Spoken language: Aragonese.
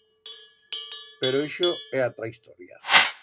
Pero ixo é atra historia.